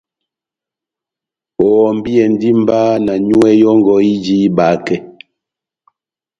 Ohɔmbiyɛndi mba na nyúwɛ́ yɔ́ngɔ ijini ihibakɛ.